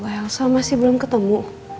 ya allah elsa masih belum ketemu